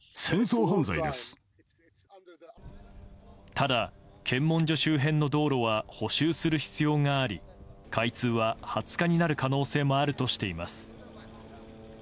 ただ、検問所周辺の道路は補修する必要があり開通は２０日になる可能性もあるとしています。